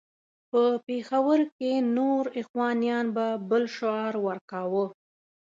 په پېښور کې نور اخوانیان به بل شعار ورکاوه.